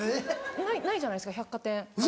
ないじゃないですか百貨店。